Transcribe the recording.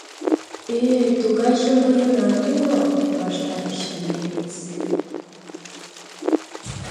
— Э-э, тугайже мыйынат уло, — ваштареш лие весе.